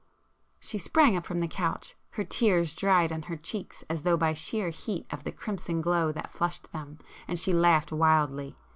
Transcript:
She sprang up from the couch,—her tears dried on her cheeks as though by sheer heat of the crimson glow that flushed them, and she laughed wildly.